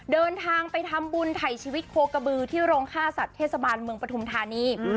เดินทางไปทำบุญไถชีวิตโคนกระบือที่โรงฆ่าศาสตร์เทศบาลประถุมธาณี